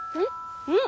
うん？